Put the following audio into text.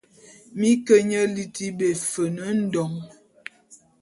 Mi ke nye liti be Efen-Ndon.